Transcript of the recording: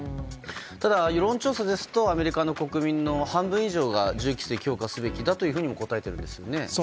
ただ、世論調査ですとアメリカの国民の半分以上が銃規制を強化すべきだと答えているんですよね。